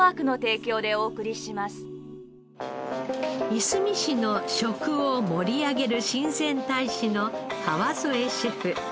いすみ市の食を盛り上げる親善大使の川副シェフ。